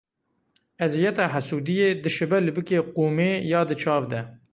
Eziyeta hesûdiyê, dişibe libike qûmê ya di çav de.